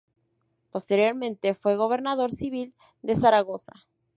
Posteriormente fue gobernador civil de Zaragoza.